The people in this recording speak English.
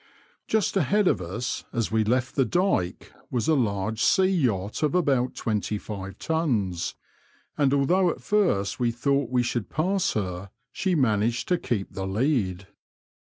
Just ahead of us, as we left the dyke, was a large sea yacht of about twenty five tons, and although at first we thought we should pass her, she managed to keep the lead.